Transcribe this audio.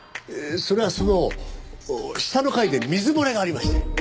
それはその下の階で水漏れがありまして。